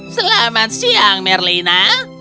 selamat siang merlina